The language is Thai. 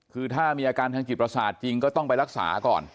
คือถ้ามีอาการทางจิตประสาทจริงก็ต้องไปรักษาก่อน